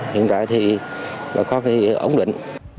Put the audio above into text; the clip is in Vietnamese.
hiện tại thì bà con ổn định